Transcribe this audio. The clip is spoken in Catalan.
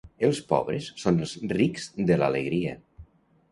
Els pobres són els rics de l'alegria.